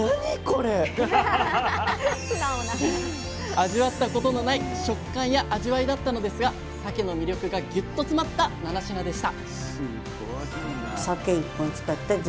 味わったことのない食感や味わいだったのですがさけの魅力がぎゅっと詰まった７品でした！